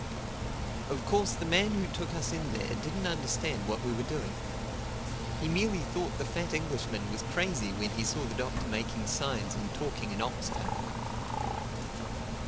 Of course the man who took us in there didn't understand what we were doing. He merely thought the fat Englishman was crazy when he saw the Doctor making signs and talking in ox tongue.